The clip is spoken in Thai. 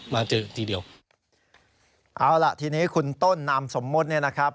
มาเจอทีเดียวเอาล่ะทีนี้คุณต้นนามสมมุติเนี่ยนะครับ